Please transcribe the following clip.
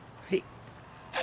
はい。